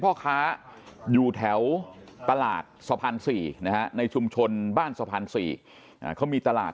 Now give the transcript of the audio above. พ่อค้าอยู่แถวตลาดสะพาน๔ในชุมชนบ้านสะพาน๔เขามีตลาด